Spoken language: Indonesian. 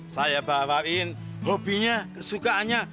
saya bawain hobinya kesukaannya